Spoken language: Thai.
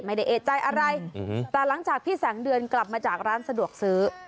ไม่ได้เอกใจอะไรแต่หลังจากพี่แสงเดือนกลับมาจากร้านสะดวกซื้อ